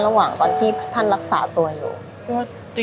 ระหว่างตอนที่ท่านรักษาตัวอยู่